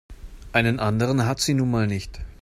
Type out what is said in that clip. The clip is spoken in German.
Einen anderen hat sie nun mal nicht.